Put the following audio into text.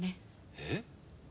えっ？